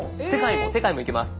世界も行けます。